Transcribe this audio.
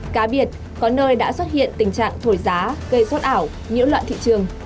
cá biệt có nơi đã xuất hiện tình trạng thổi giá gây rốt ảo nhiễu loạn thị trường